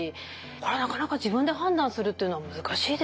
なかなか自分で判断するっていうのは難しいですね。